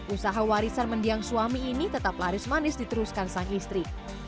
usaha warisan mendiang suami ini tetap laris manis diteruskan sang istri